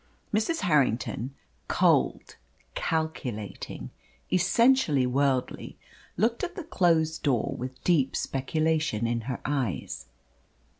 Mrs. Harrington cold, calculating, essentially worldly looked at the closed door with deep speculation in her eyes.